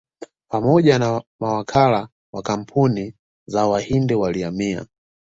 Pamoja na mawakala wa kampuni za Wahindi walihamia